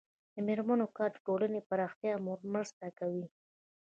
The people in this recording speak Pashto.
د میرمنو کار د ټولنې پراختیا مرسته کوي.